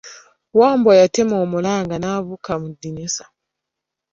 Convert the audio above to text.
Wambwa yattema omulanga n'abuuka mu ddirisa.